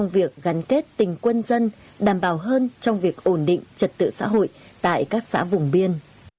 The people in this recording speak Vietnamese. việc gắn kết tình quân dân đảm bảo hơn trong việc ổn định trật tự xã hội tại các xã vùng biên